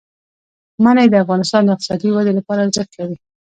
منی د افغانستان د اقتصادي ودې لپاره ارزښت لري.